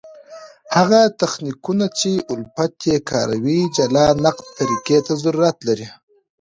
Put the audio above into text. هغه تخنیکونه، چي الفت ئې کاروي جلا نقد طریقي ته ضرورت لري.